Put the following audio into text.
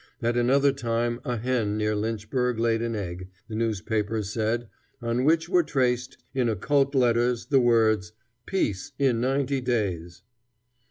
At another time a hen near Lynchburg laid an egg, the newspapers said, on which were traced, in occult letters, the words, "peace in ninety days."